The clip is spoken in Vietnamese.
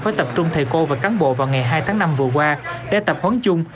phải tập trung thầy cô và cán bộ vào ngày hai tháng năm vừa qua để tập huấn chung